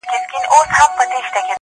د انسان زړه آیینه زړه یې صیقل دی!